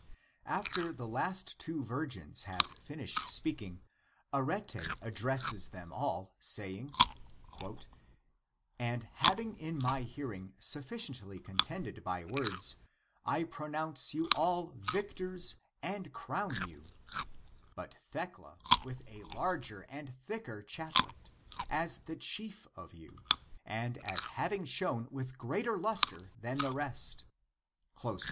After the last two virgins have finished speaking, Arete addresses them all saying :" And having in my hearing sufficiently contended by words, I pronounce you all victors and crown you : but Thecla with a larger and thicker chaplet, as the chief of you, and as having shone with greater luster than the rest."